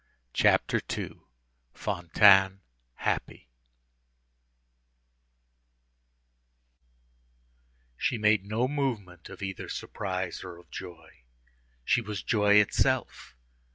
CHAPTER II—FANTINE HAPPY She made no movement of either surprise or of joy; she was joy itself.